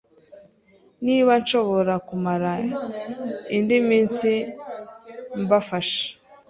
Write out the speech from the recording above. niba nshobora kumara indi minsi mbafasha